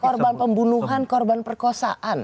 korban pembunuhan korban perkosaan